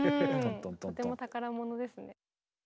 とても宝物ですね。